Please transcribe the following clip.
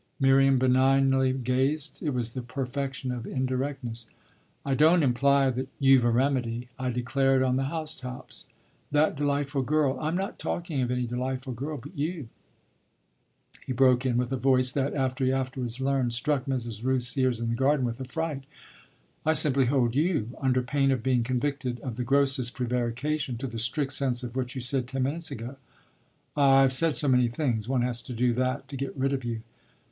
Miriam benignly gazed it was the perfection of indirectness. "I don't 'imply' that you've a remedy. I declare it on the house tops. That delightful girl " "I'm not talking of any delightful girl but you!" he broke in with a voice that, as he afterwards learned, struck Mrs. Rooth's ears in the garden with affright. "I simply hold you, under pain of being convicted of the grossest prevarication, to the strict sense of what you said ten minutes ago." "Ah I've said so many things! One has to do that to get rid of you.